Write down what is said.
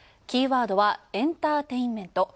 キーワードはエンターテインメント。